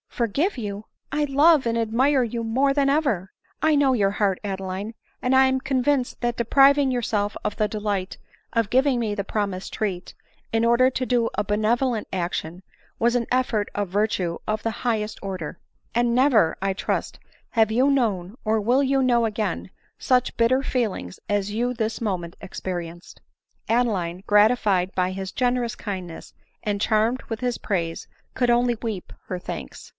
" Forgive you ! I love and admire you more than ever ! I know your heart Adeline ; and I am convinced that depriving yourself of the delight of giving me the promised treat, in order to do a benevolent action, was an effort of virtue of the highest order ; and never, I trust, have you known, or will you know again, such bitter feelings as you this moment experienced." Adeline, gratified by his generous kindness, and charm ed with his praise, could only weep her thanks.